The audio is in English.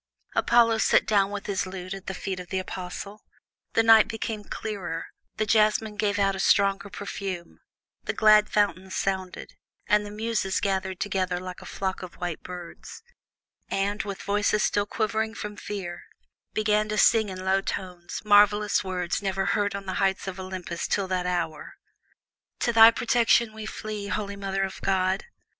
Apollo sat down with his lute at the feet of the Apostle. The night became clearer, the jasmine gave out a stronger perfume, the glad fountains sounded, the Muses gathered together like a flock of white swans, and, with voices still quivering from fear, began to sing in low tones marvellous words never heard on the heights of Olympus till that hour: To thy protection we flee, holy Mother of God.